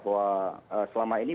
bagaimana bahwa selama ini